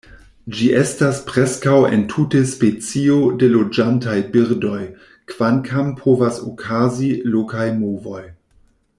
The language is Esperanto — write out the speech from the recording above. Ĝi estas preskaŭ entute specio de loĝantaj birdoj, kvankam povas okazi lokaj movoj.